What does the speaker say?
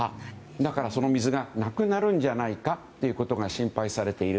だから、その水がなくなるんじゃないかということが心配されている。